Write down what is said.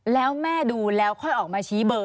แล้วแม่ดูแล้วค่อยออกมาชี้เบอร์